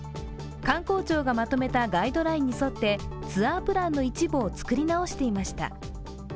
観光庁がまとめたガイドラインに沿ってツアープランの一部を作り直していました。